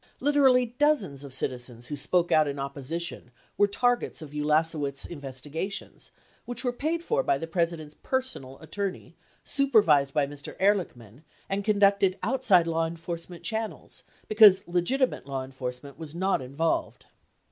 Literally dozens of citizens who spoke out in opposition were targets of Ulasewicz investigations, which were paid for by the President's personal attorney, supervised by Mr. Ehrlichman, and conducted out side law enforcement channels, because legitimate law enforcement was not involved.